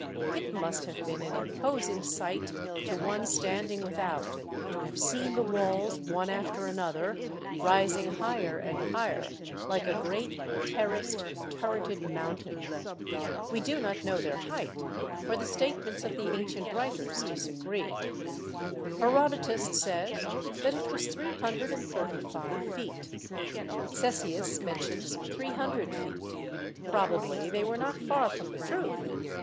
It must have been an imposing sight to one stand ing without to have seen the walls, one after another, rising higher and higher, like a great ter raced, turreted mountain. We do not know their height, for the statements of the ancient writers disagree. Herodotus says that it was three hun dred and thirty five feet; Ctesias mentions three hundred feet; probably they were not far from 76 THE SEVEN WONDERS the truth.